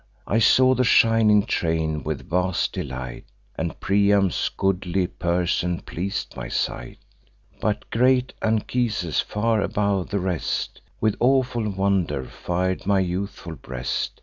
I saw the shining train with vast delight, And Priam's goodly person pleas'd my sight: But great Anchises, far above the rest, With awful wonder fir'd my youthful breast.